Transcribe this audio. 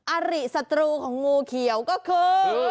อาริสัตรูของงูเขียวก็คือ